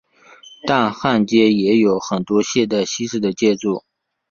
但汉街也有很多现代西式的建筑。